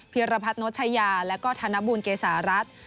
เพียรพัทโนชัยาและก็ธนบูลเกสารัส